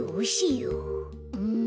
うん。